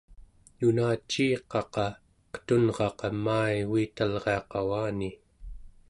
nunaciiqaqa qetunraqa maa-i uitalria qavani